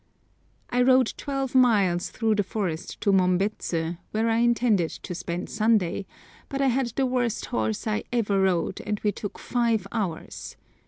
I rode twelve miles through the forest to Mombets, where I intended to spend Sunday, but I had the worst horse I ever rode, and we took five hours.